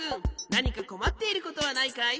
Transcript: なにかこまっていることはないかい？